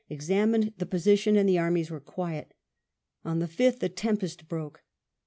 examined the position, and the armies were quiet On the 5th the tempest broke.